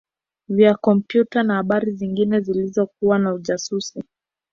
vya kompyuta na habari zingine zilizokuwa za ujasusi